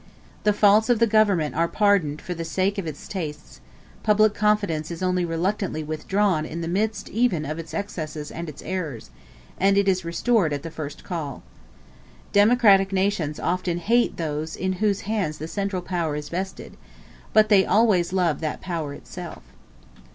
The faults of the government are pardoned for the sake of its tastes; public confidence is only reluctantly withdrawn in the midst even of its excesses and its errors, and it is restored at the first call. Democratic nations often hate those in whose hands the central power is vested; but they always love that power itself.